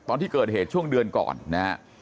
ตอนที่เกิดเหตุช่วงเดือนก่อนนะฮะ